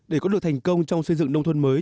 để có được thành công trong xây dựng nông thôn mới